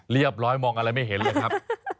เรียบร้อยมองอะไรไม่เห็นเลยครับ